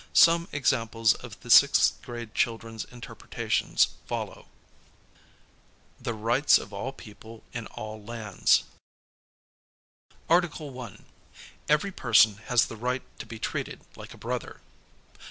Some examples of the sixth grade childrens interpretations follow: THE RIGHTS OF ALL PEOPLE IN ALL LANDS Articlk 1. Every person has the ripht to be treated like a brother.